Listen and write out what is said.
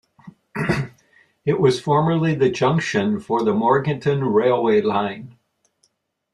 It was formerly the junction for the Mornington railway line.